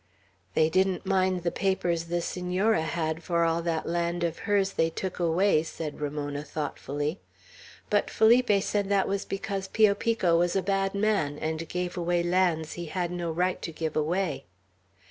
"They didn't mind the papers the Senora had for all that land of hers they took away," said Ramona, thoughtfully. "But Felipe said that was because Pio Pico was a bad man, and gave away lands he had no right to give away."